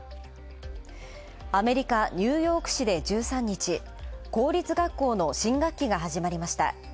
アメリカ、ニューヨーク市で１３日、公立学校が始まりました。